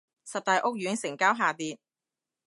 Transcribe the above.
十大屋苑成交下跌